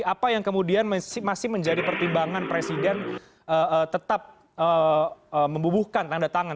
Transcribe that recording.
apa yang kemudian masih menjadi pertimbangan presiden tetap membubuhkan tanda tangan